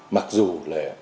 mặc dù là